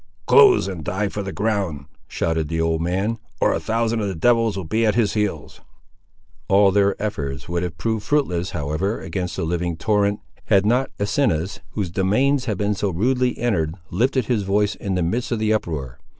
"Close, and die for the ground," shouted the old man, "or a thousand of the devils will be at his heels!" All their efforts would have proved fruitless, however, against the living torrent, had not Asinus, whose domains had just been so rudely entered, lifted his voice, in the midst of the uproar.